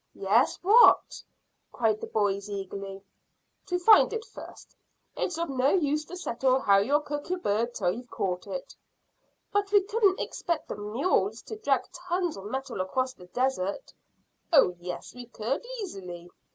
"Yes! What?" cried the boys eagerly. "To find it first. It's of no use to settle how you'll cook your bird till you've caught it." "But we couldn't expect the mules to drag tons of metal across the desert." "Oh yes, we could, easily.